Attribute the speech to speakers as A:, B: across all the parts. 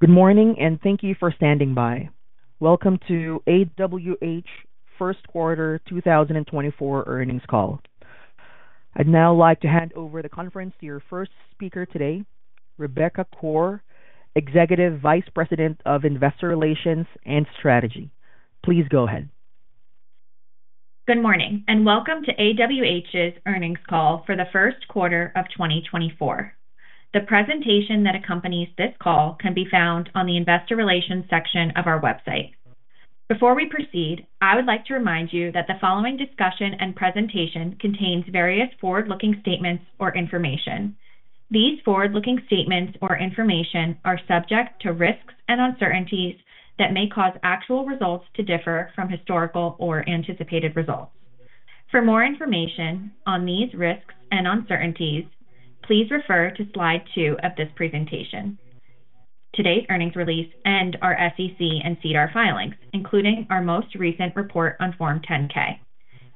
A: Good morning and thank you for standing by. Welcome to AWH First Quarter 2024 earnings call. I'd now like to hand over the conference to your first speaker today, Rebecca Koar, Executive Vice President of Investor Relations and Strategy. Please go ahead.
B: Good morning and welcome to AWH's earnings call for the first quarter of 2024. The presentation that accompanies this call can be found on the Investor Relations section of our website. Before we proceed, I would like to remind you that the following discussion and presentation contains various forward-looking statements or information. These forward-looking statements or information are subject to risks and uncertainties that may cause actual results to differ from historical or anticipated results. For more information on these risks and uncertainties, please refer to slide 2 of this presentation. Today's earnings release and our SEC and SEDAR filings, including our most recent report on Form 10-K.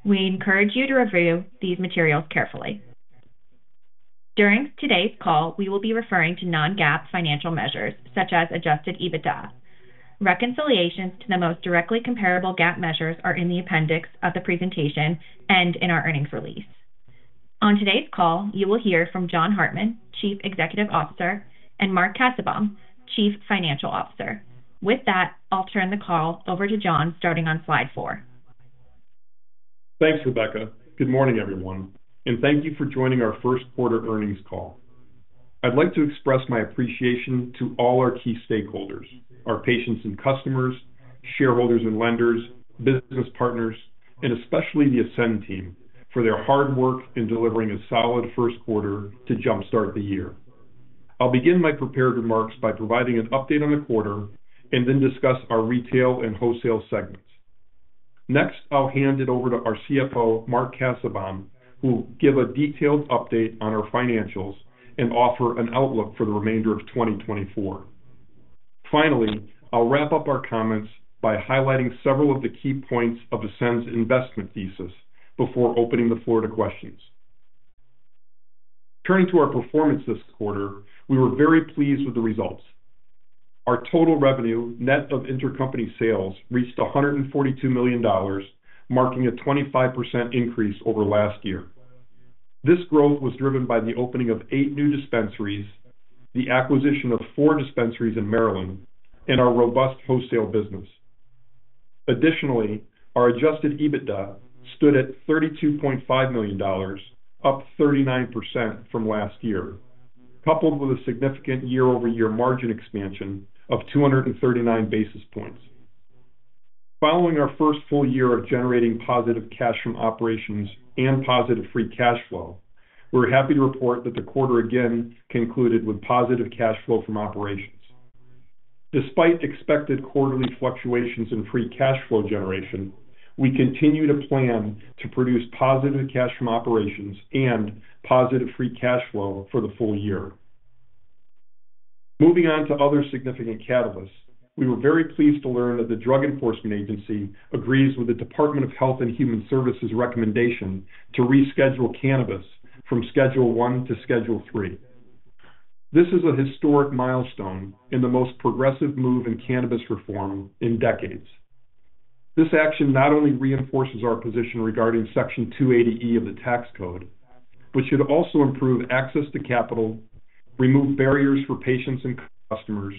B: We encourage you to review these materials carefully. During today's call, we will be referring to non-GAAP financial measures such as adjusted EBITDA. Reconciliations to the most directly comparable GAAP measures are in the appendix of the presentation and in our earnings release. On today's call, you will hear from John Hartman, Chief Executive Officer, and Mark Cassebaum, Chief Financial Officer. With that, I'll turn the call over to John starting on slide 4.
C: Thanks, Rebecca. Good morning, everyone, and thank you for joining our first quarter earnings call. I'd like to express my appreciation to all our key stakeholders: our patients and customers, shareholders and lenders, business partners, and especially the Ascend team for their hard work in delivering a solid first quarter to jump-start the year. I'll begin my prepared remarks by providing an update on the quarter and then discuss our retail and wholesale segments. Next, I'll hand it over to our CFO, Mark Cassebaum, who will give a detailed update on our financials and offer an outlook for the remainder of 2024. Finally, I'll wrap up our comments by highlighting several of the key points of Ascend's investment thesis before opening the floor to questions. Turning to our performance this quarter, we were very pleased with the results. Our total revenue, net of intercompany sales, reached $142 million, marking a 25% increase over last year. This growth was driven by the opening of eight new dispensaries, the acquisition of four dispensaries in Maryland, and our robust wholesale business. Additionally, our Adjusted EBITDA stood at $32.5 million, up 39% from last year, coupled with a significant year-over-year margin expansion of 239 basis points. Following our first full year of generating positive cash from operations and positive free cash flow, we're happy to report that the quarter again concluded with positive cash flow from operations. Despite expected quarterly fluctuations in free cash flow generation, we continue to plan to produce positive cash from operations and positive free cash flow for the full year. Moving on to other significant catalysts, we were very pleased to learn that the Drug Enforcement Administration agrees with the Department of Health and Human Services' recommendation to reschedule cannabis from Schedule I to Schedule III. This is a historic milestone in the most progressive move in cannabis reform in decades. This action not only reinforces our position regarding Section 280E of the tax code, but should also improve access to capital, remove barriers for patients and customers,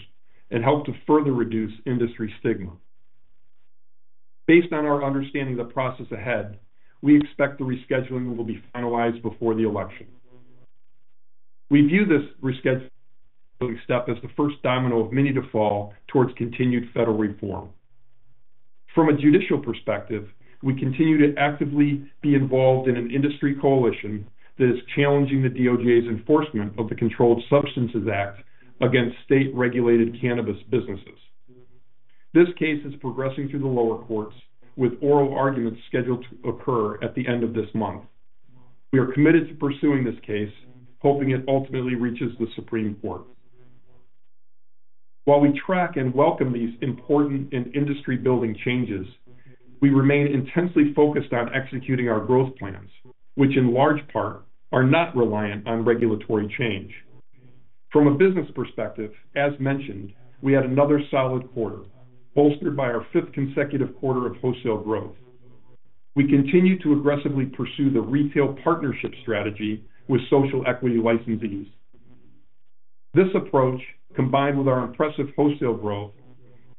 C: and help to further reduce industry stigma. Based on our understanding of the process ahead, we expect the rescheduling will be finalized before the election. We view this rescheduling step as the first domino of many to fall towards continued federal reform. From a judicial perspective, we continue to actively be involved in an industry coalition that is challenging the DOJ's enforcement of the Controlled Substances Act against state-regulated cannabis businesses. This case is progressing through the lower courts, with oral arguments scheduled to occur at the end of this month. We are committed to pursuing this case, hoping it ultimately reaches the Supreme Court. While we track and welcome these important and industry-building changes, we remain intensely focused on executing our growth plans, which in large part are not reliant on regulatory change. From a business perspective, as mentioned, we had another solid quarter, bolstered by our fifth consecutive quarter of wholesale growth. We continue to aggressively pursue the retail partnership strategy with social equity licensees. This approach, combined with our impressive wholesale growth,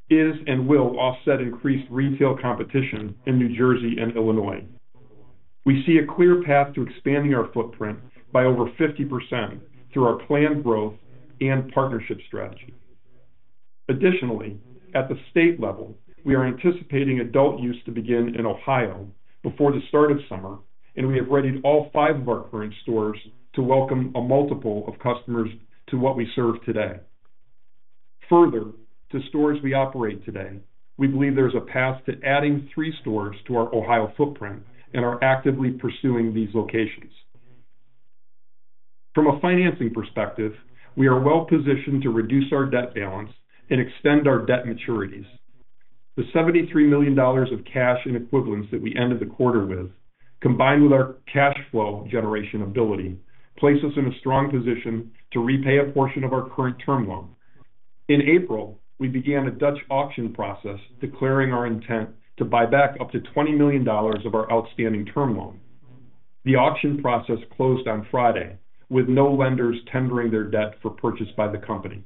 C: is and will offset increased retail competition in New Jersey and Illinois. We see a clear path to expanding our footprint by over 50% through our planned growth and partnership strategy. Additionally, at the state level, we are anticipating adult use to begin in Ohio before the start of summer, and we have readied all five of our current stores to welcome a multiple of customers to what we serve today. Further, to stores we operate today, we believe there is a path to adding three stores to our Ohio footprint and are actively pursuing these locations. From a financing perspective, we are well positioned to reduce our debt balance and extend our debt maturities. The $73 million of cash equivalents that we ended the quarter with, combined with our cash flow generation ability, places us in a strong position to repay a portion of our current term loan. In April, we began a Dutch auction process declaring our intent to buy back up to $20 million of our outstanding term loan. The auction process closed on Friday, with no lenders tendering their debt for purchase by the company.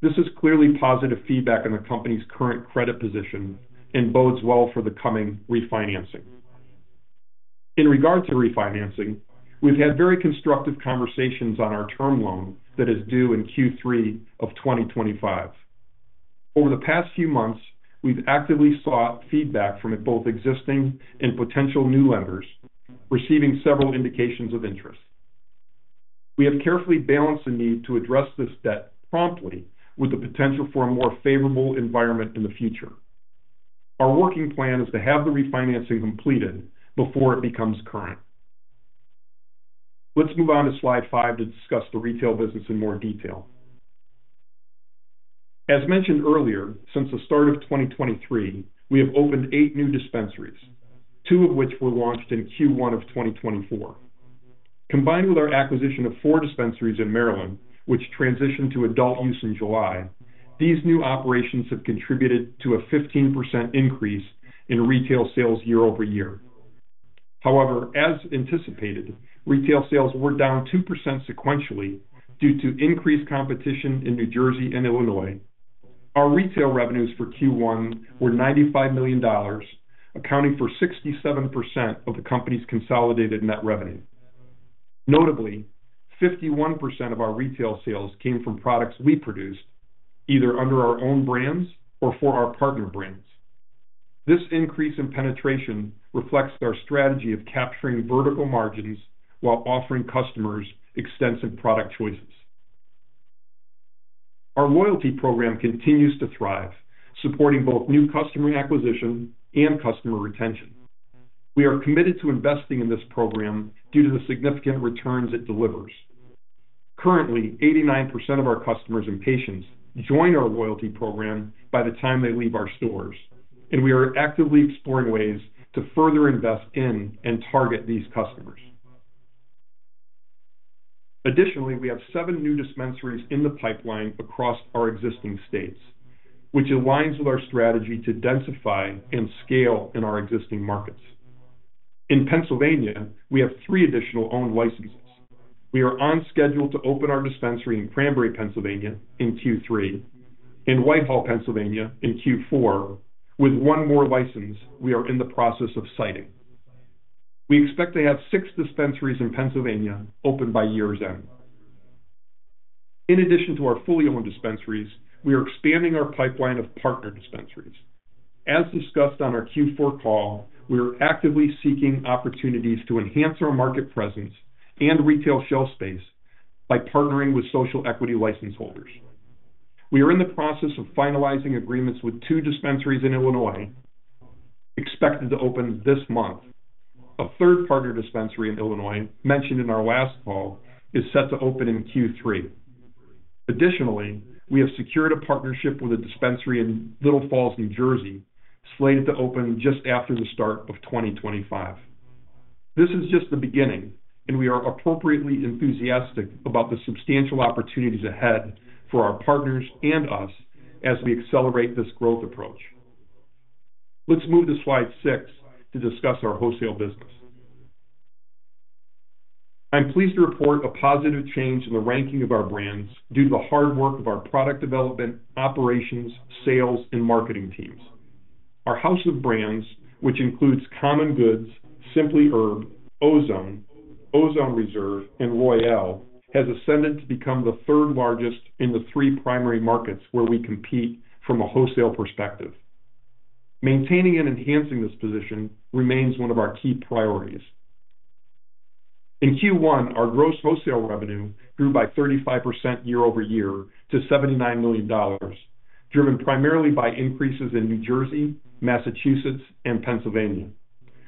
C: This is clearly positive feedback on the company's current credit position and bodes well for the coming refinancing. In regard to refinancing, we've had very constructive conversations on our term loan that is due in Q3 of 2025. Over the past few months, we've actively sought feedback from both existing and potential new lenders, receiving several indications of interest. We have carefully balanced the need to address this debt promptly with the potential for a more favorable environment in the future. Our working plan is to have the refinancing completed before it becomes current. Let's move on to slide 5 to discuss the retail business in more detail. As mentioned earlier, since the start of 2023, we have opened eight new dispensaries, two of which were launched in Q1 of 2024. Combined with our acquisition of four dispensaries in Maryland, which transitioned to adult use in July, these new operations have contributed to a 15% increase in retail sales year-over-year. However, as anticipated, retail sales were down 2% sequentially due to increased competition in New Jersey and Illinois. Our retail revenues for Q1 were $95 million, accounting for 67% of the company's consolidated net revenue. Notably, 51% of our retail sales came from products we produced, either under our own brands or for our partner brands. This increase in penetration reflects our strategy of capturing vertical margins while offering customers extensive product choices. Our loyalty program continues to thrive, supporting both new customer acquisition and customer retention. We are committed to investing in this program due to the significant returns it delivers. Currently, 89% of our customers and patients join our loyalty program by the time they leave our stores, and we are actively exploring ways to further invest in and target these customers. Additionally, we have 7 new dispensaries in the pipeline across our existing states, which aligns with our strategy to densify and scale in our existing markets. In Pennsylvania, we have 3 additional owned licenses. We are on schedule to open our dispensary in Cranberry, Pennsylvania, in Q3, and Whitehall, Pennsylvania, in Q4, with one more license we are in the process of siting. We expect to have 6 dispensaries in Pennsylvania open by year's end. In addition to our fully owned dispensaries, we are expanding our pipeline of partner dispensaries. As discussed on our Q4 call, we are actively seeking opportunities to enhance our market presence and retail shelf space by partnering with social equity license holders. We are in the process of finalizing agreements with two dispensaries in Illinois, expected to open this month. A third partner dispensary in Illinois, mentioned in our last call, is set to open in Q3. Additionally, we have secured a partnership with a dispensary in Little Falls, New Jersey, slated to open just after the start of 2025. This is just the beginning, and we are appropriately enthusiastic about the substantial opportunities ahead for our partners and us as we accelerate this growth approach. Let's move to slide 6 to discuss our wholesale business. I'm pleased to report a positive change in the ranking of our brands due to the hard work of our product development, operations, sales, and marketing teams. Our house of brands, which includes Common Goods, Simply Herb, Ozone, Ozone Reserve, and Royale, has ascended to become the third largest in the three primary markets where we compete from a wholesale perspective. Maintaining and enhancing this position remains one of our key priorities. In Q1, our gross wholesale revenue grew by 35% year-over-year to $79 million, driven primarily by increases in New Jersey, Massachusetts, and Pennsylvania,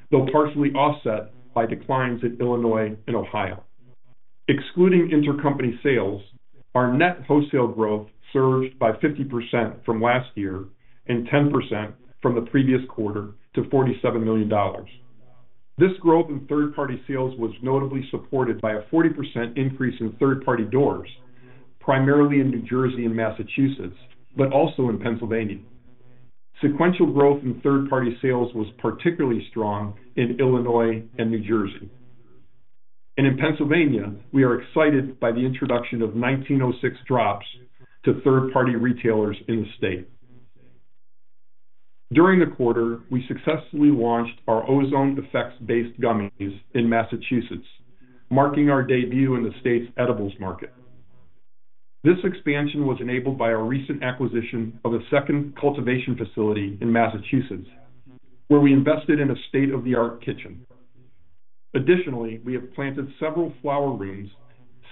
C: though partially offset by declines in Illinois and Ohio. Excluding intercompany sales, our net wholesale growth surged by 50% from last year and 10% from the previous quarter to $47 million. This growth in third-party sales was notably supported by a 40% increase in third-party doors, primarily in New Jersey and Massachusetts, but also in Pennsylvania. Sequential growth in third-party sales was particularly strong in Illinois and New Jersey. In Pennsylvania, we are excited by the introduction of 1906 Drops to third-party retailers in the state. During the quarter, we successfully launched our Ozone effects-based gummies in Massachusetts, marking our debut in the state's edibles market. This expansion was enabled by our recent acquisition of a second cultivation facility in Massachusetts, where we invested in a state-of-the-art kitchen. Additionally, we have planted several flower rooms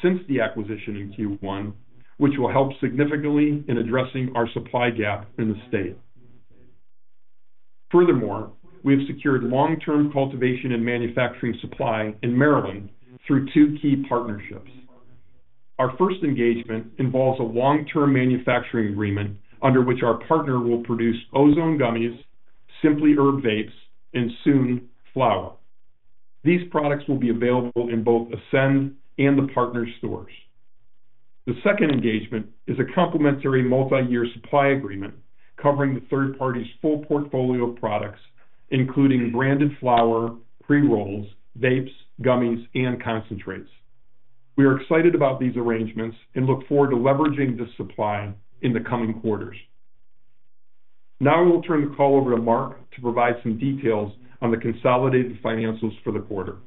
C: since the acquisition in Q1, which will help significantly in addressing our supply gap in the state. Furthermore, we have secured long-term cultivation and manufacturing supply in Maryland through two key partnerships. Our first engagement involves a long-term manufacturing agreement under which our partner will produce Ozone gummies, Simply Herb vapes, and soon flower. These products will be available in both Ascend and the partner stores. The second engagement is a complementary multi-year supply agreement covering the third party's full portfolio of products, including branded flower, pre-rolls, vapes, gummies, and concentrates. We are excited about these arrangements and look forward to leveraging this supply in the coming quarters. Now we will turn the call over to Mark to provide some details on the consolidated financials for the quarter.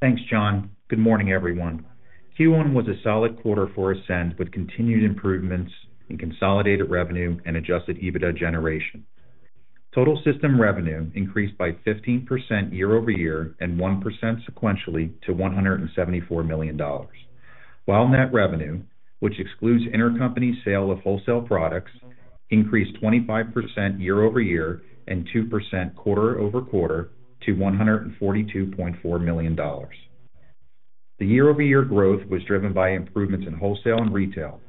D: Thanks, John. Good morning, everyone. Q1 was a solid quarter for Ascend with continued improvements in consolidated revenue and adjusted EBITDA generation. Total system revenue increased by 15% year-over-year and 1% sequentially to $174 million, while net revenue, which excludes intercompany sale of wholesale products, increased 25% year-over-year and 2% quarter-over-quarter to $142.4 million. The year-over-year growth was driven by improvements in wholesale and retail,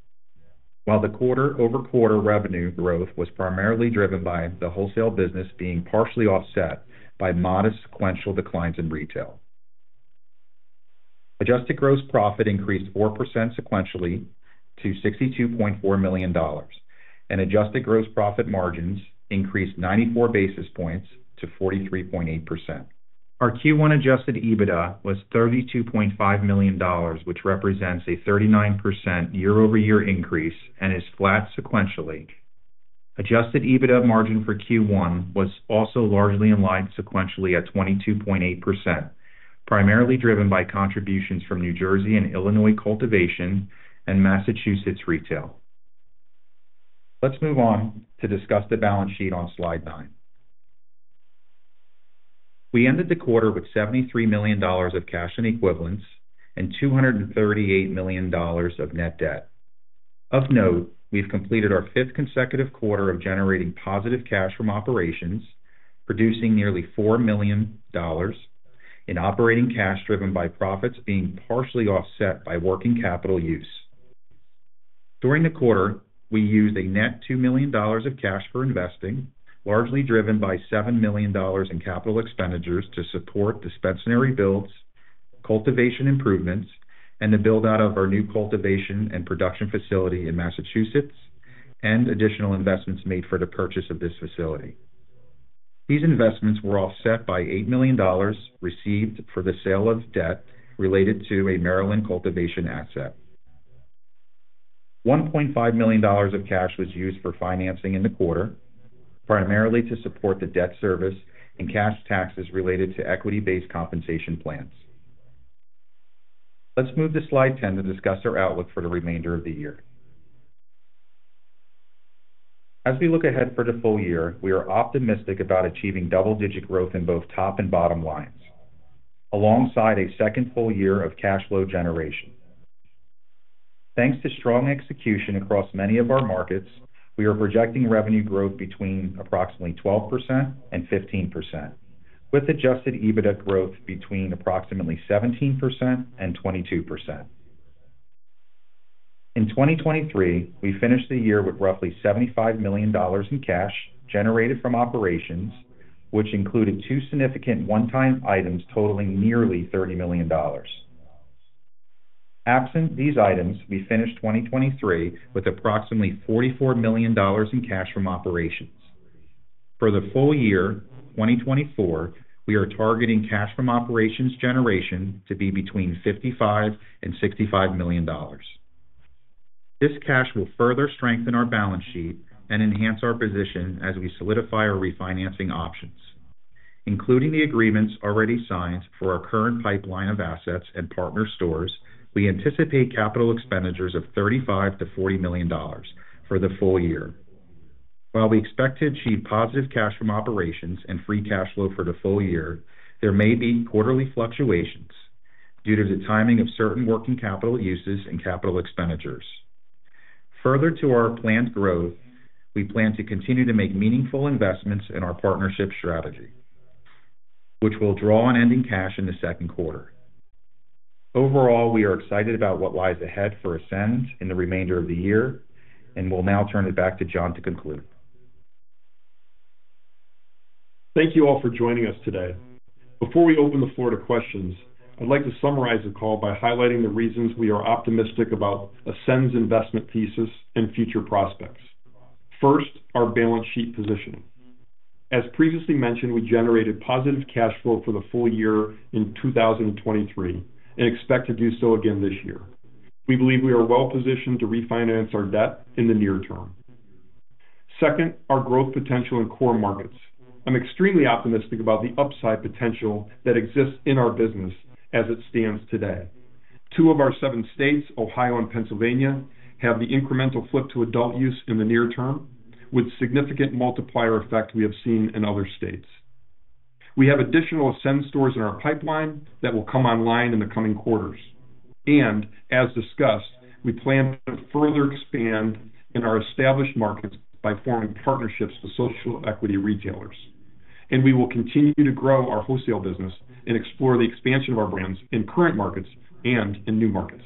D: while the quarter-over-quarter revenue growth was primarily driven by the wholesale business being partially offset by modest sequential declines in retail. Adjusted gross profit increased 4% sequentially to $62.4 million, and adjusted gross profit margins increased 94 basis points to 43.8%. Our Q1 adjusted EBITDA was $32.5 million, which represents a 39% year-over-year increase and is flat sequentially. Adjusted EBITDA margin for Q1 was also largely in line sequentially at 22.8%, primarily driven by contributions from New Jersey and Illinois cultivation and Massachusetts retail. Let's move on to discuss the balance sheet on slide 9. We ended the quarter with $73 million of cash and equivalents and $238 million of net debt. Of note, we've completed our fifth consecutive quarter of generating positive cash from operations, producing nearly $4 million in operating cash driven by profits being partially offset by working capital use. During the quarter, we used a net $2 million of cash for investing, largely driven by $7 million in capital expenditures to support dispensary builds, cultivation improvements, and the build-out of our new cultivation and production facility in Massachusetts, and additional investments made for the purchase of this facility. These investments were offset by $8 million received for the sale of debt related to a Maryland cultivation asset. $1.5 million of cash was used for financing in the quarter, primarily to support the debt service and cash taxes related to equity-based compensation plans. Let's move to slide 10 to discuss our outlook for the remainder of the year. As we look ahead for the full year, we are optimistic about achieving double-digit growth in both top and bottom lines, alongside a second full year of cash flow generation. Thanks to strong execution across many of our markets, we are projecting revenue growth between approximately 12% and 15%, with adjusted EBITDA growth between approximately 17% and 22%. In 2023, we finished the year with roughly $75 million in cash generated from operations, which included two significant one-time items totaling nearly $30 million. Absent these items, we finished 2023 with approximately $44 million in cash from operations. For the full year, 2024, we are targeting cash from operations generation to be between $55 million and $65 million. This cash will further strengthen our balance sheet and enhance our position as we solidify our refinancing options. Including the agreements already signed for our current pipeline of assets and partner stores, we anticipate capital expenditures of $35 million-$40 million for the full year. While we expect to achieve positive cash from operations and free cash flow for the full year, there may be quarterly fluctuations due to the timing of certain working capital uses and capital expenditures. Further to our planned growth, we plan to continue to make meaningful investments in our partnership strategy, which will draw on ending cash in the second quarter. Overall, we are excited about what lies ahead for Ascend in the remainder of the year, and we'll now turn it back to John to conclude.
C: Thank you all for joining us today. Before we open the floor to questions, I'd like to summarize the call by highlighting the reasons we are optimistic about Ascend's investment thesis and future prospects. First, our balance sheet positioning. As previously mentioned, we generated positive cash flow for the full year in 2023 and expect to do so again this year. We believe we are well positioned to refinance our debt in the near term. Second, our growth potential in core markets. I'm extremely optimistic about the upside potential that exists in our business as it stands today. 2 of our 7 states, Ohio and Pennsylvania, have the incremental flip to adult use in the near term, with significant multiplier effect we have seen in other states. We have additional Ascend stores in our pipeline that will come online in the coming quarters. As discussed, we plan to further expand in our established markets by forming partnerships with social equity retailers. We will continue to grow our wholesale business and explore the expansion of our brands in current markets and in new markets.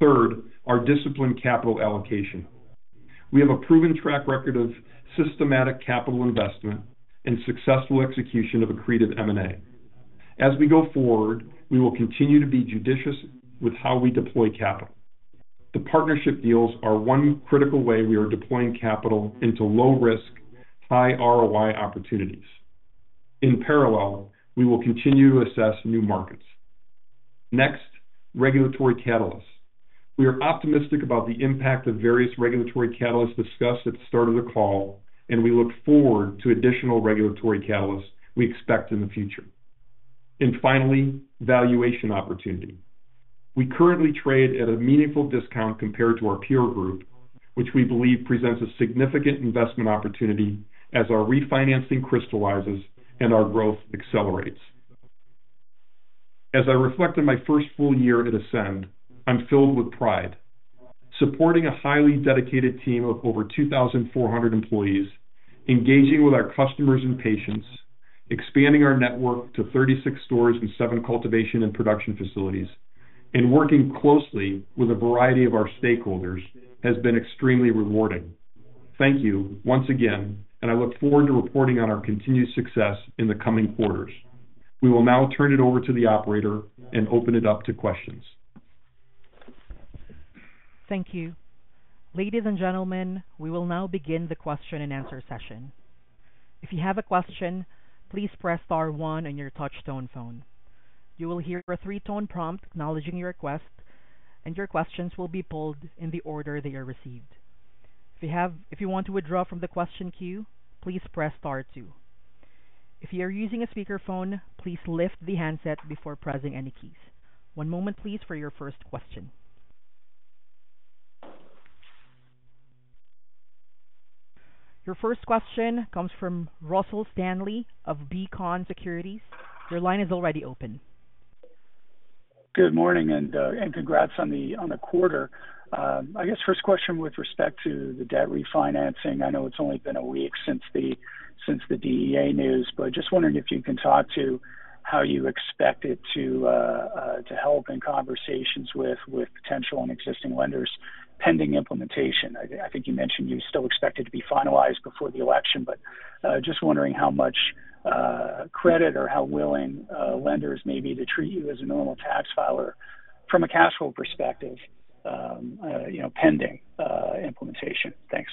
C: Third, our disciplined capital allocation. We have a proven track record of systematic capital investment and successful execution of a creative M&A. As we go forward, we will continue to be judicious with how we deploy capital. The partnership deals are one critical way we are deploying capital into low-risk, high-ROI opportunities. In parallel, we will continue to assess new markets. Next, regulatory catalysts. We are optimistic about the impact of various regulatory catalysts discussed at the start of the call, and we look forward to additional regulatory catalysts we expect in the future. Finally, valuation opportunity. We currently trade at a meaningful discount compared to our peer group, which we believe presents a significant investment opportunity as our refinancing crystallizes and our growth accelerates. As I reflect on my first full year at Ascend, I'm filled with pride. Supporting a highly dedicated team of over 2,400 employees, engaging with our customers and patients, expanding our network to 36 stores and seven cultivation and production facilities, and working closely with a variety of our stakeholders has been extremely rewarding. Thank you once again, and I look forward to reporting on our continued success in the coming quarters. We will now turn it over to the operator and open it up to questions.
A: Thank you. Ladies and gentlemen, we will now begin the question and answer session. If you have a question, please press star one on your touch-tone phone. You will hear a three-tone prompt acknowledging your request, and your questions will be pulled in the order they are received. If you want to withdraw from the question queue, please press star two. If you are using a speakerphone, please lift the handset before pressing any keys. One moment, please, for your first question. Your first question comes from Russell Stanley of Beacon Securities. Your line is already open.
E: Good morning and congrats on the quarter. I guess first question with respect to the debt refinancing. I know it's only been a week since the DEA news, but just wondering if you can talk to how you expect it to help in conversations with potential and existing lenders pending implementation. I think you mentioned you still expect it to be finalized before the election, but just wondering how much credit or how willing lenders may be to treat you as a normal tax filer from a cash flow perspective pending implementation. Thanks.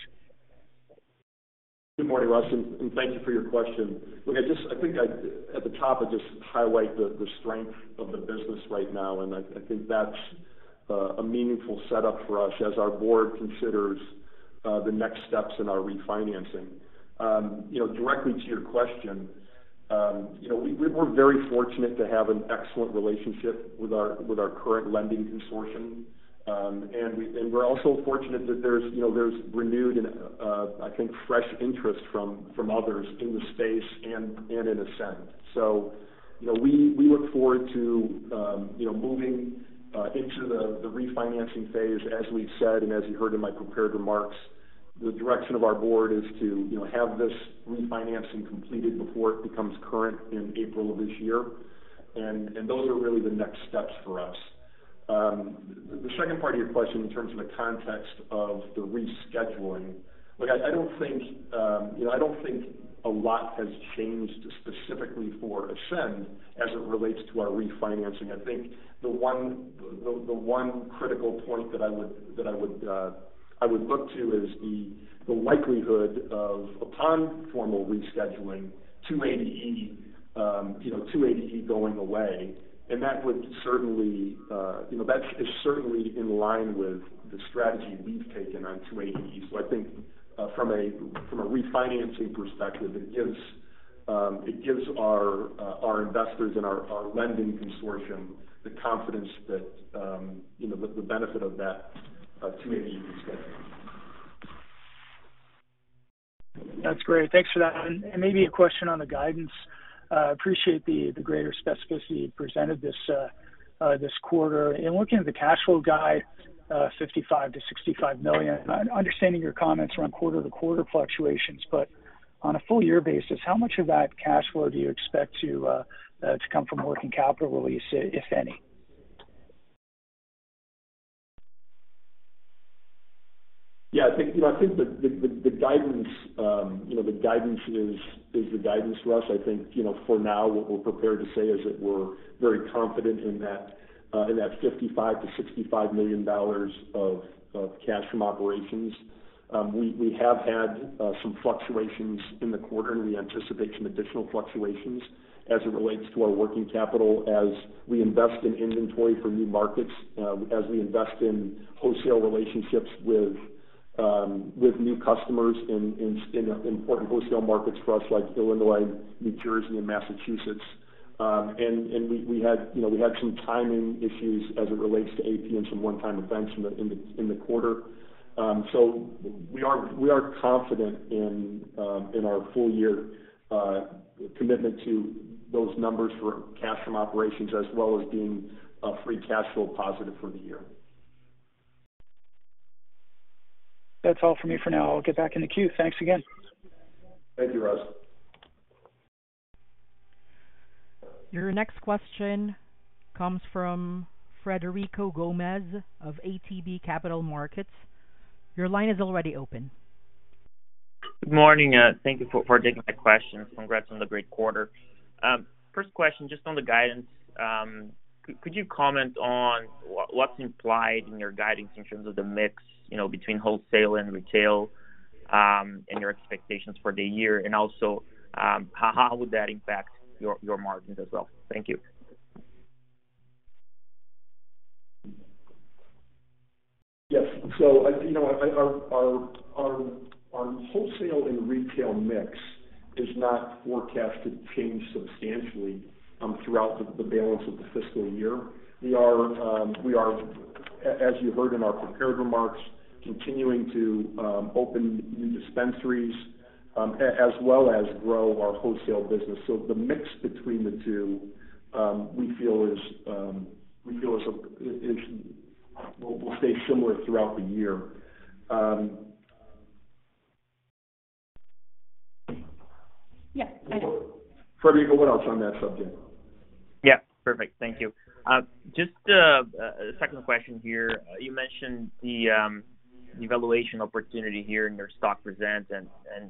C: Good morning, Russell, and thank you for your question. Look, I think at the top, I just highlight the strength of the business right now, and I think that's a meaningful setup for us as our board considers the next steps in our refinancing. Directly to your question, we're very fortunate to have an excellent relationship with our current lending consortium, and we're also fortunate that there's renewed and, I think, fresh interest from others in the space and in Ascend. So we look forward to moving into the refinancing phase, as we've said and as you heard in my prepared remarks. The direction of our board is to have this refinancing completed before it becomes current in April of this year, and those are really the next steps for us. The second part of your question in terms of the context of the rescheduling, look, I don't think a lot has changed specifically for Ascend as it relates to our refinancing. I think the one critical point that I would look to is the likelihood of, upon formal rescheduling, 280E going away, and that would certainly that is certainly in line with the strategy we've taken on 280E. So I think from a refinancing perspective, it gives our investors and our lending consortium the confidence that the benefit of that 280E rescheduling.
E: That's great. Thanks for that. And maybe a question on the guidance. I appreciate the greater specificity you've presented this quarter. In looking at the cash flow guide, $55 million-$65 million, understanding your comments around quarter-to-quarter fluctuations, but on a full-year basis, how much of that cash flow do you expect to come from working capital release, if any?
C: Yeah, I think the guidance is the guidance for us. I think for now, what we're prepared to say is that we're very confident in that $55 million-$65 million of cash from operations. We have had some fluctuations in the quarter, and we anticipate some additional fluctuations as it relates to our working capital, as we invest in inventory for new markets, as we invest in wholesale relationships with new customers in important wholesale markets for us like Illinois, New Jersey, and Massachusetts. And we had some timing issues as it relates to AP and some one-time events in the quarter. So we are confident in our full-year commitment to those numbers for cash from operations as well as being a free cash flow positive for the year.
E: That's all for me for now. I'll get back in the queue. Thanks again.
C: Thank you, Russ.
A: Your next question comes from Frederico Gomes of ATB Capital Markets. Your line is already open.
F: Good morning. Thank you for taking my questions. Congrats on the great quarter. First question, just on the guidance, could you comment on what's implied in your guidance in terms of the mix between wholesale and retail and your expectations for the year, and also how would that impact your margins as well? Thank you.
C: Yes. So our wholesale and retail mix is not forecast to change substantially throughout the balance of the fiscal year. We are, as you heard in our prepared remarks, continuing to open new dispensaries as well as grow our wholesale business. So the mix between the two, we feel, we'll stay similar throughout the year.
A: Yes, I do.
C: Frederico, what else on that subject?
F: Yeah, perfect. Thank you. Just a second question here. You mentioned the valuation opportunity here in your stock presentation and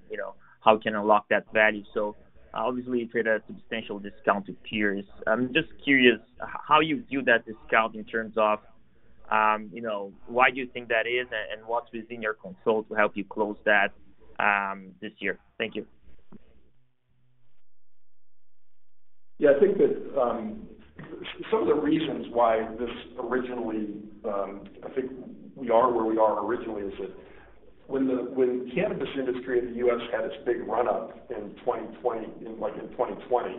F: how you can unlock that value. So obviously, you trade a substantial discount to peers. I'm just curious how you view that discount in terms of why do you think that is and what's within your control to help you close that this year? Thank you.
C: Yeah, I think that some of the reasons why this originally I think we are where we are originally is that when the cannabis industry in the U.S. had its big run-up in 2020,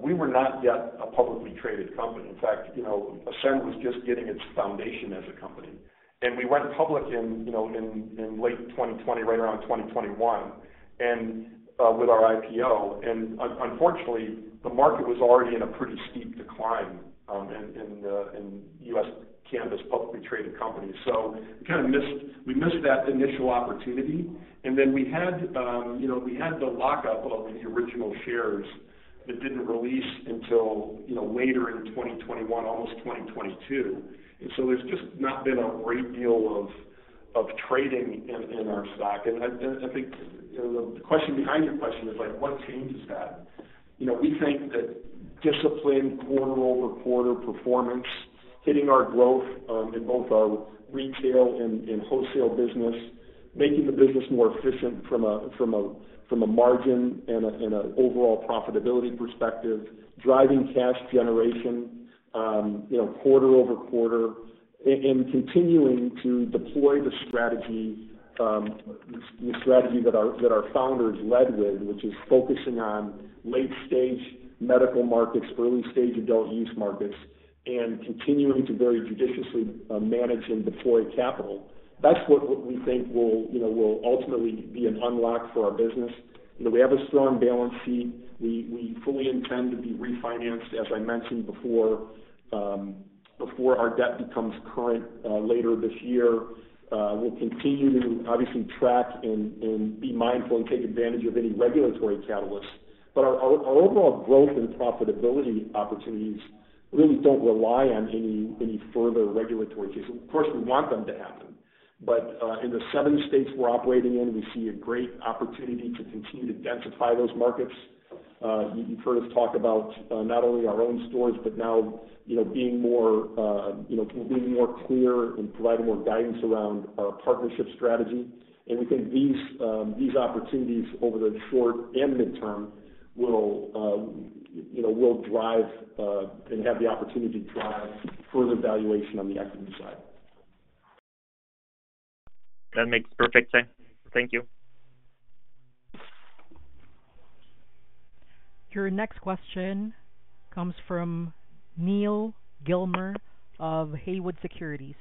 C: we were not yet a publicly traded company. In fact, Ascend was just getting its foundation as a company. We went public in late 2020, right around 2021, with our IPO. Unfortunately, the market was already in a pretty steep decline in U.S. cannabis publicly traded companies. So we kind of missed that initial opportunity. Then we had the lockup of the original shares that didn't release until later in 2021, almost 2022. So there's just not been a great deal of trading in our stock. I think the question behind your question is, what changes that? We think that disciplined quarter-over-quarter performance, hitting our growth in both our retail and wholesale business, making the business more efficient from a margin and an overall profitability perspective, driving cash generation quarter over quarter, and continuing to deploy the strategy that our founders led with, which is focusing on late-stage medical markets, early-stage adult use markets, and continuing to very judiciously manage and deploy capital, that's what we think will ultimately be an unlock for our business. We have a strong balance sheet. We fully intend to be refinanced, as I mentioned before, before our debt becomes current later this year. We'll continue to obviously track and be mindful and take advantage of any regulatory catalysts. But our overall growth and profitability opportunities really don't rely on any further regulatory cases. Of course, we want them to happen. But in the seven states we're operating in, we see a great opportunity to continue to densify those markets. You've heard us talk about not only our own stores, but now being more clear and providing more guidance around our partnership strategy. And we think these opportunities over the short and mid-term will drive and have the opportunity to drive further valuation on the equity side.
F: That makes perfect sense. Thank you.
A: Your next question comes from Neal Gilmer of Haywood Securities.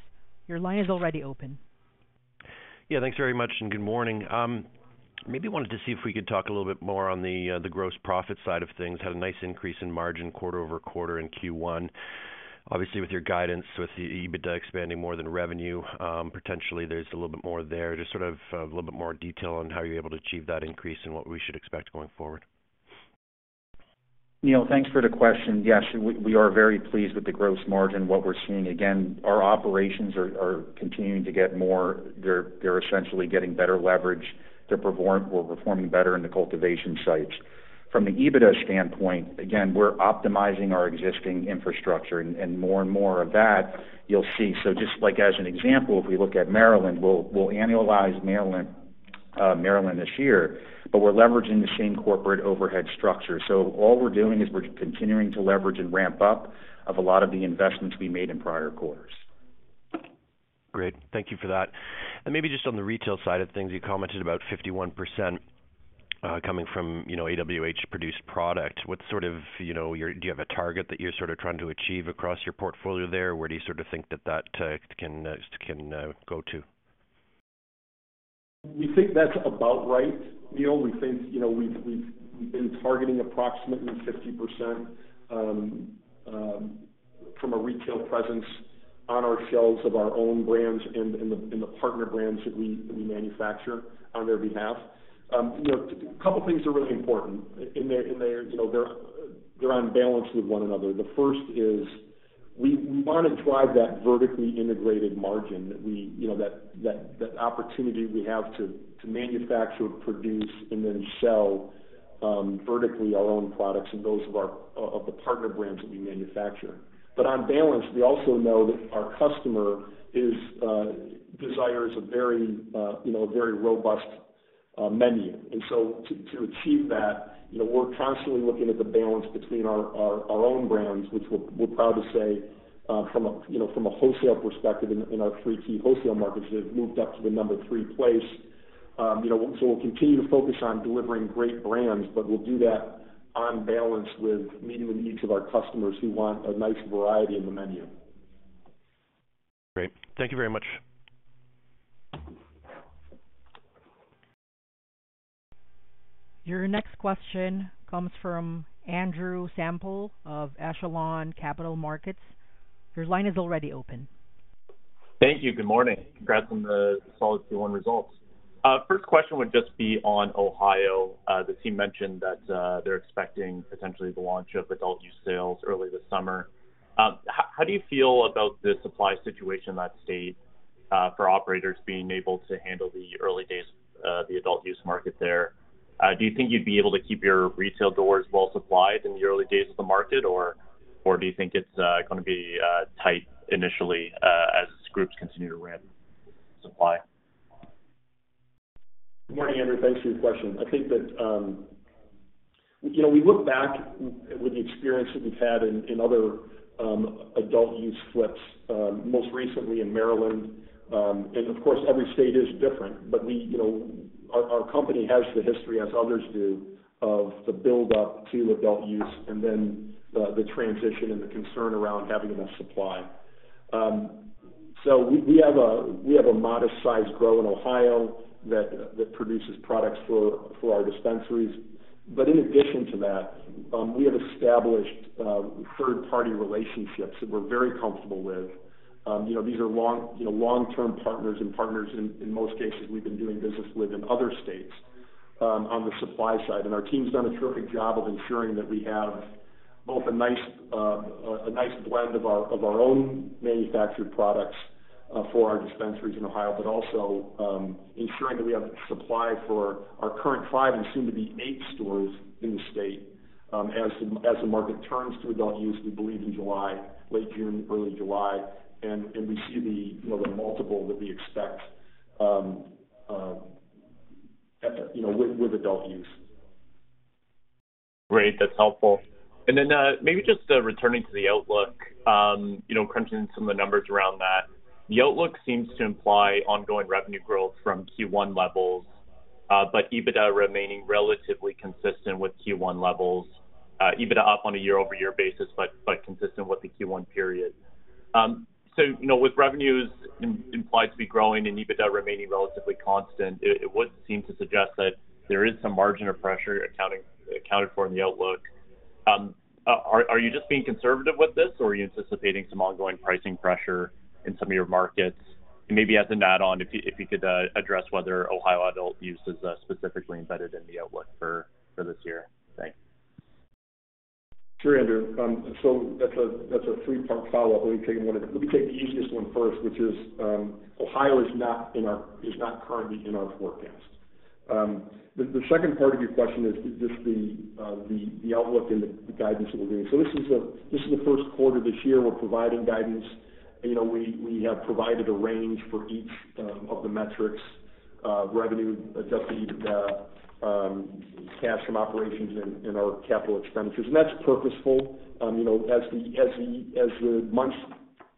A: Your line is already open.
G: Yeah, thanks very much and good morning. Maybe wanted to see if we could talk a little bit more on the gross profit side of things. Had a nice increase in margin quarter-over-quarter in Q1. Obviously, with your guidance, with EBITDA expanding more than revenue, potentially there's a little bit more there. Just sort of a little bit more detail on how you're able to achieve that increase and what we should expect going forward.
D: Neil, thanks for the question. Yes, we are very pleased with the gross margin, what we're seeing. Again, our operations are continuing to get more. They're essentially getting better leverage. They're performing better in the cultivation sites. From the EBITDA standpoint, again, we're optimizing our existing infrastructure. And more and more of that, you'll see. So just as an example, if we look at Maryland, we'll annualize Maryland this year, but we're leveraging the same corporate overhead structure. So all we're doing is we're continuing to leverage and ramp up of a lot of the investments we made in prior quarters.
G: Great. Thank you for that. And maybe just on the retail side of things, you commented about 51% coming from AWH-produced product. What sort of do you have a target that you're sort of trying to achieve across your portfolio there? Where do you sort of think that that can go to?
C: We think that's about right, Neil. We think we've been targeting approximately 50% from a retail presence on our sales of our own brands and the partner brands that we manufacture on their behalf. A couple of things are really important. They're on balance with one another. The first is we want to drive that vertically integrated margin, that opportunity we have to manufacture, produce, and then sell vertically our own products and those of the partner brands that we manufacture. On balance, we also know that our customer desires a very robust menu. So to achieve that, we're constantly looking at the balance between our own brands, which we're proud to say from a wholesale perspective in our three key wholesale markets, they've moved up to the number three place. We'll continue to focus on delivering great brands, but we'll do that on balance with meeting the needs of our customers who want a nice variety in the menu.
G: Great. Thank you very much.
A: Your next question comes from Andrew Semple of Echelon Capital Markets. Your line is already open.
H: Thank you. Good morning. Congrats on the solid Q1 results. First question would just be on Ohio. The team mentioned that they're expecting potentially the launch of adult use sales early this summer. How do you feel about the supply situation in that state for operators being able to handle the early days of the adult use market there? Do you think you'd be able to keep your retail doors well supplied in the early days of the market, or do you think it's going to be tight initially as groups continue to ramp supply?
C: Good morning, Andrew. Thanks for your question. I think that we look back with the experience that we've had in other adult use flips, most recently in Maryland. Of course, every state is different, but our company has the history, as others do, of the buildup to adult use and then the transition and the concern around having enough supply. We have a modest-sized grow in Ohio that produces products for our dispensaries. But in addition to that, we have established third-party relationships that we're very comfortable with. These are long-term partners and partners, in most cases, we've been doing business with in other states on the supply side. Our team's done a terrific job of ensuring that we have both a nice blend of our own manufactured products for our dispensaries in Ohio, but also ensuring that we have supply for our current 5 and soon to be 8 stores in the state. As the market turns to adult use, we believe in July, late June, early July, and we see the multiple that we expect with adult use.
H: Great. That's helpful. Then maybe just returning to the outlook, crunching some of the numbers around that, the outlook seems to imply ongoing revenue growth from Q1 levels, but EBITDA remaining relatively consistent with Q1 levels, EBITDA up on a year-over-year basis, but consistent with the Q1 period. With revenues implied to be growing and EBITDA remaining relatively constant, it would seem to suggest that there is some margin of pressure accounted for in the outlook. Are you just being conservative with this, or are you anticipating some ongoing pricing pressure in some of your markets? Maybe as an add-on, if you could address whether Ohio adult use is specifically embedded in the outlook for this year. Thanks.
C: Sure, Andrew. So that's a three-part follow-up. Let me take the easiest one first, which is Ohio is not currently in our forecast. The second part of your question is just the outlook and the guidance that we're doing. So this is the first quarter this year. We're providing guidance. We have provided a range for each of the metrics: revenue, Adjusted EBITDA, cash from operations, and our capital expenditures. And that's purposeful. As the months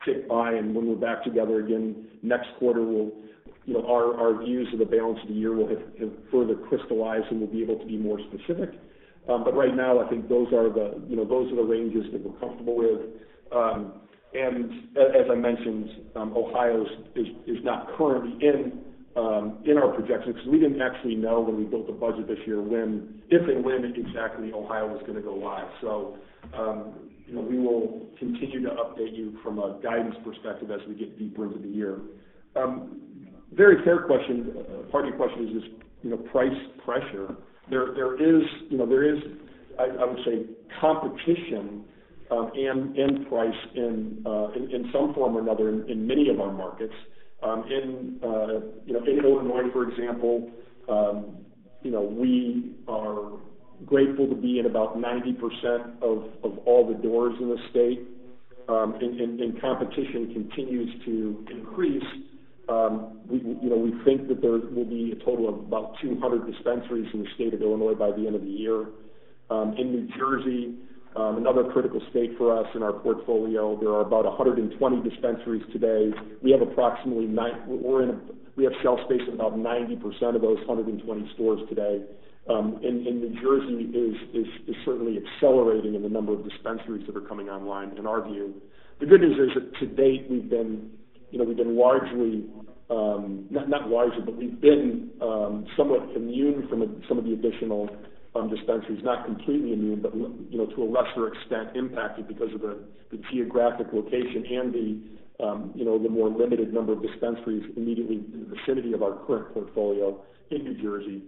C: tick by and when we're back together again next quarter, our views of the balance of the year will have further crystallized and we'll be able to be more specific. But right now, I think those are the ranges that we're comfortable with. As I mentioned, Ohio is not currently in our projections because we didn't actually know when we built the budget this year if and when exactly Ohio was going to go live. We will continue to update you from a guidance perspective as we get deeper into the year. Very fair question. Part of your question is just price pressure. There is, I would say, competition and price in some form or another in many of our markets. In Illinois, for example, we are grateful to be in about 90% of all the doors in the state. Competition continues to increase. We think that there will be a total of about 200 dispensaries in the state of Illinois by the end of the year. In New Jersey, another critical state for us in our portfolio, there are about 120 dispensaries today. We have approximately shelf space in about 90% of those 120 stores today. New Jersey is certainly accelerating in the number of dispensaries that are coming online, in our view. The good news is that to date, we've been largely not largely, but we've been somewhat immune from some of the additional dispensaries, not completely immune, but to a lesser extent impacted because of the geographic location and the more limited number of dispensaries immediately in the vicinity of our current portfolio in New Jersey.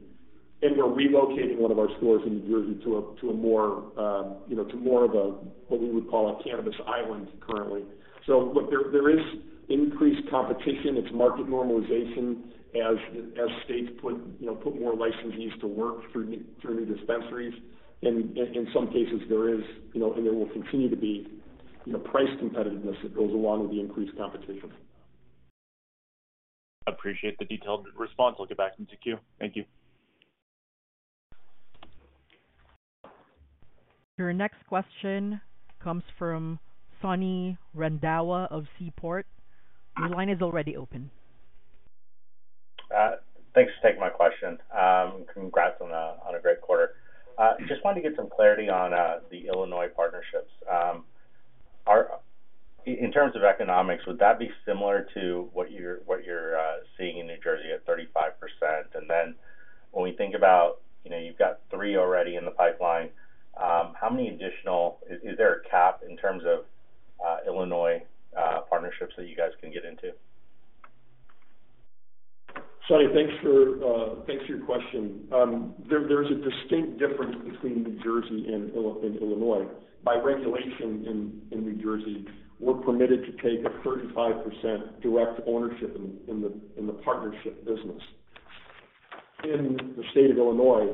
C: We're relocating one of our stores in New Jersey to more of what we would call a cannabis island currently. Look, there is increased competition. It's market normalization as states put more licensees to work through new dispensaries. In some cases, there is and there will continue to be price competitiveness that goes along with the increased competition.
H: Appreciate the detailed response. I'll get back into queue. Thank you.
A: Your next question comes from Sonny Randhawa of Seaport. Your line is already open.
I: Thanks for taking my question. Congrats on a great quarter. Just wanted to get some clarity on the Illinois partnerships. In terms of economics, would that be similar to what you're seeing in New Jersey at 35%? And then when we think about you've got three already in the pipeline. How many additional? Is there a cap in terms of Illinois partnerships that you guys can get into?
C: Sonny, thanks for your question. There's a distinct difference between New Jersey and Illinois. By regulation in New Jersey, we're permitted to take a 35% direct ownership in the partnership business. In the state of Illinois,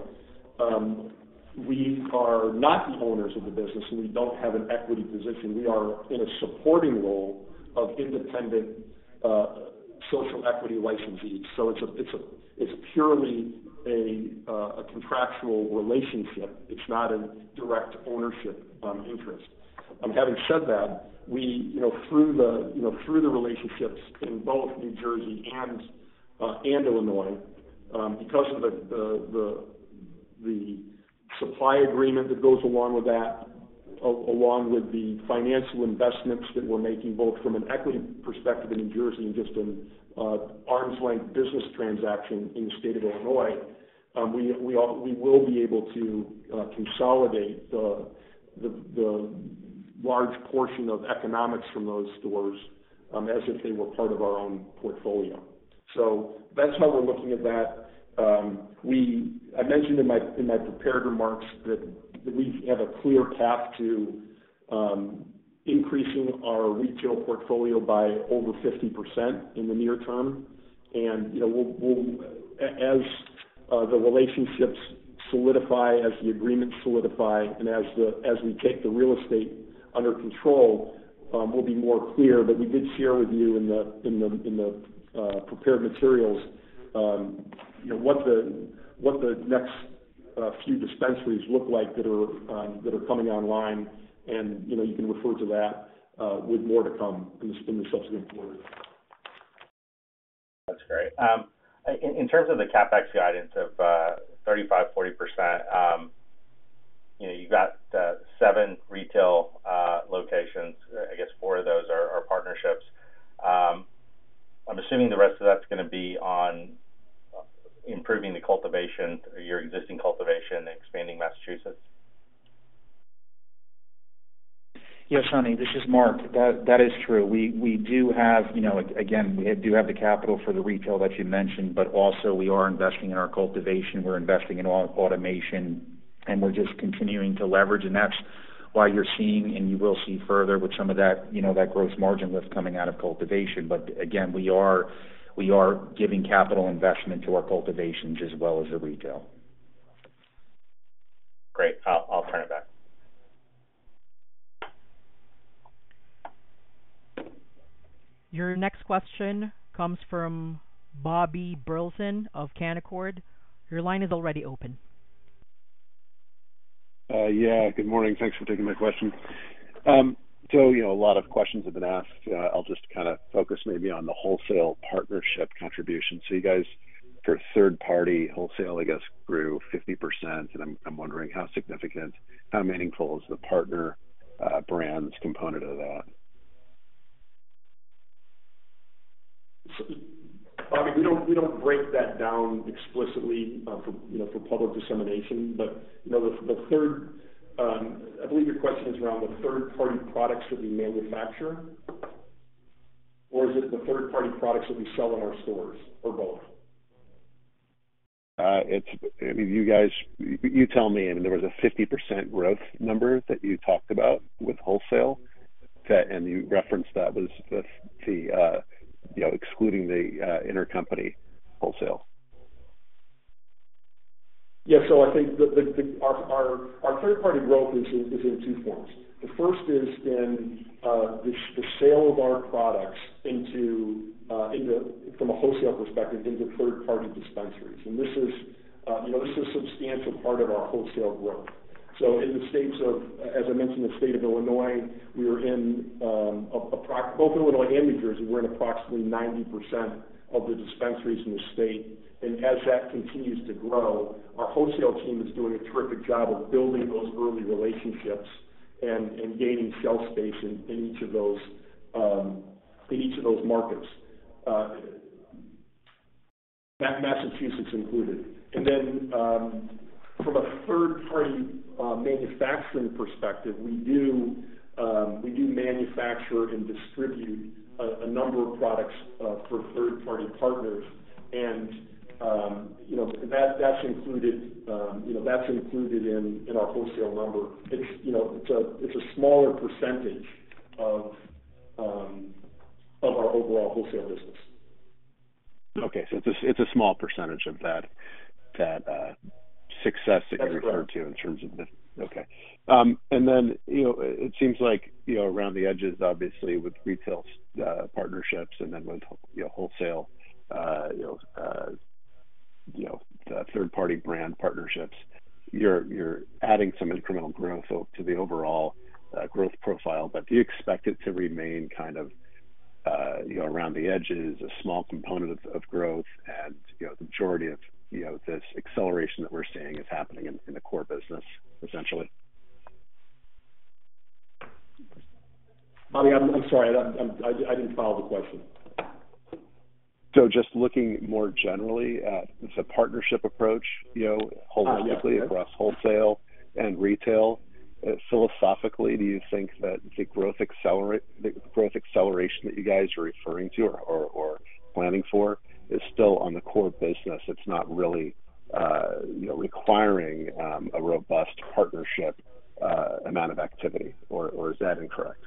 C: we are not the owners of the business, and we don't have an equity position. We are in a supporting role of independent social equity licensees. So it's purely a contractual relationship. It's not a direct ownership interest. Having said that, through the relationships in both New Jersey and Illinois, because of the supply agreement that goes along with that, along with the financial investments that we're making both from an equity perspective in New Jersey and just an arm's-length business transaction in the state of Illinois, we will be able to consolidate the large portion of economics from those stores as if they were part of our own portfolio. So that's how we're looking at that. I mentioned in my prepared remarks that we have a clear path to increasing our retail portfolio by over 50% in the near term. And as the relationships solidify, as the agreements solidify, and as we take the real estate under control, we'll be more clear. But we did share with you in the prepared materials what the next few dispensaries look like that are coming online. And you can refer to that with more to come in the subsequent quarters.
I: That's great. In terms of the CapEx guidance of 35%-40%, you've got 7 retail locations. I guess 4 of those are partnerships. I'm assuming the rest of that's going to be on improving the cultivation, your existing cultivation, and expanding Massachusetts?
D: Yes, Sonny. This is Mark. That is true. We do have again, we do have the capital for the retail that you mentioned, but also we are investing in our cultivation. We're investing in automation, and we're just continuing to leverage. And that's why you're seeing and you will see further with some of that gross margin lift coming out of cultivation. But again, we are giving capital investment to our cultivations as well as the retail.
I: Great. I'll turn it back.
A: Your next question comes from Bobby Burleson of Canaccord. Your line is already open.
J: Yeah. Good morning. Thanks for taking my question. So a lot of questions have been asked. I'll just kind of focus maybe on the wholesale partnership contribution. So you guys. For third-party wholesale, I guess, grew 50%. And I'm wondering how significant, how meaningful is the partner brands component of that?
C: Bobby, we don't break that down explicitly for public dissemination. But the third I believe your question is around the third-party products that we manufacture, or is it the third-party products that we sell in our stores, or both?
J: I mean, you tell me. I mean, there was a 50% growth number that you talked about with wholesale, and you referenced that was the fee excluding the intercompany wholesale.
C: Yeah. So I think our third-party growth is in two forms. The first is in the sale of our products from a wholesale perspective into third-party dispensaries. And this is a substantial part of our wholesale growth. So in the states of, as I mentioned, the state of Illinois, we were in both Illinois and New Jersey. We're in approximately 90% of the dispensaries in the state. And as that continues to grow, our wholesale team is doing a terrific job of building those early relationships and gaining shelf space in each of those markets, Massachusetts included. And then from a third-party manufacturing perspective, we do manufacture and distribute a number of products for third-party partners. And that's included in our wholesale number. It's a smaller percentage of our overall wholesale business.
J: Okay. So it's a small percentage of that success that you referred to in terms of the okay. And then it seems like around the edges, obviously, with retail partnerships and then with wholesale third-party brand partnerships, you're adding some incremental growth to the overall growth profile. But do you expect it to remain kind of around the edges, a small component of growth, and the majority of this acceleration that we're seeing is happening in the core business, essentially?
C: Bobby, I'm sorry. I didn't follow the question.
J: So just looking more generally at the partnership approach holistically across wholesale and retail, philosophically, do you think that the growth acceleration that you guys are referring to or planning for is still on the core business? It's not really requiring a robust partnership amount of activity, or is that incorrect?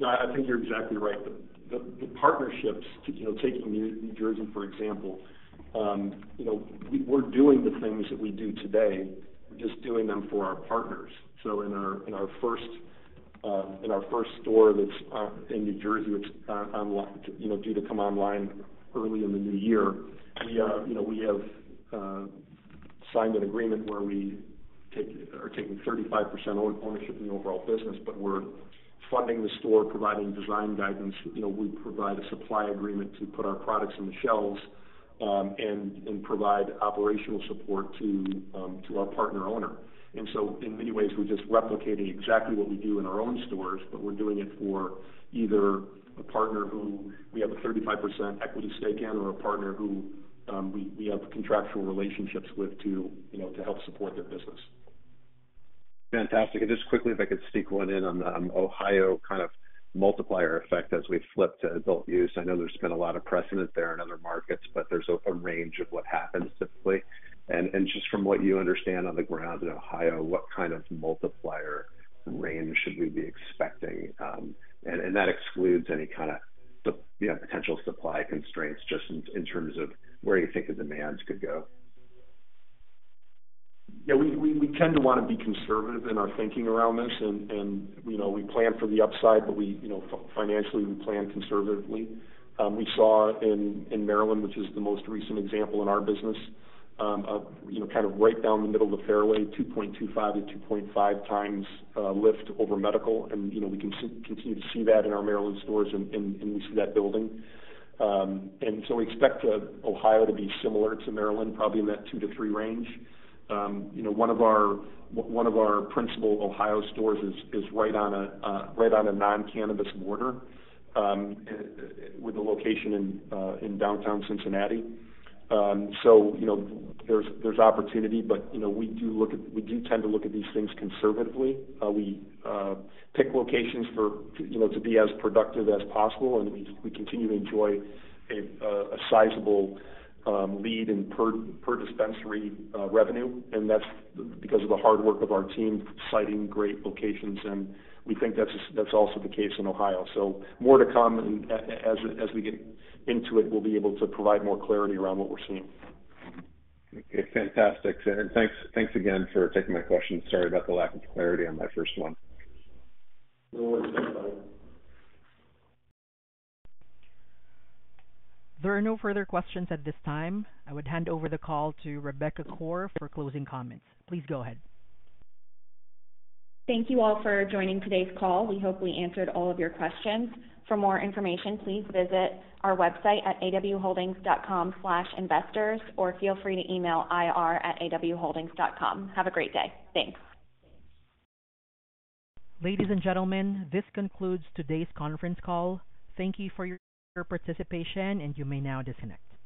C: No, I think you're exactly right. The partnerships, taking New Jersey, for example, we're doing the things that we do today. We're just doing them for our partners. So in our first store that's in New Jersey that's due to come online early in the new year, we have signed an agreement where we are taking 35% ownership in the overall business, but we're funding the store, providing design guidance. We provide a supply agreement to put our products on the shelves and provide operational support to our partner owner. And so in many ways, we're just replicating exactly what we do in our own stores, but we're doing it for either a partner who we have a 35% equity stake in or a partner who we have contractual relationships with to help support their business.
J: Fantastic. And just quickly, if I could sneak one in on the Ohio kind of multiplier effect as we flip to adult use. I know there's been a lot of precedent there in other markets, but there's a range of what happens typically. And just from what you understand on the ground in Ohio, what kind of multiplier range should we be expecting? And that excludes any kind of potential supply constraints just in terms of where you think the demands could go.
C: Yeah. We tend to want to be conservative in our thinking around this. We plan for the upside, but financially, we plan conservatively. We saw in Maryland, which is the most recent example in our business, kind of right down the middle of the fairway, 2.25x-2.5x lift over medical. We can continue to see that in our Maryland stores, and we see that building. We expect Ohio to be similar to Maryland, probably in that 2-3 range. One of our principal Ohio stores is right on a non-cannabis border with a location in downtown Cincinnati. So there's opportunity, but we do tend to look at these things conservatively. We pick locations to be as productive as possible, and we continue to enjoy a sizable lead in per dispensary revenue. That's because of the hard work of our team siting great locations. We think that's also the case in Ohio. More to come. As we get into it, we'll be able to provide more clarity around what we're seeing.
J: Okay. Fantastic. Thanks again for taking my question. Sorry about the lack of clarity on my first one.
D: No worries. Thanks, Bobby.
A: There are no further questions at this time. I would hand over the call to Rebecca Koar for closing comments. Please go ahead.
B: Thank you all for joining today's call. We hope we answered all of your questions. For more information, please visit our website at awholdings.com/investors, or feel free to email ir@awholdings.com. Have a great day. Thanks.
A: Ladies and gentlemen, this concludes today's conference call. Thank you for your participation, and you may now disconnect.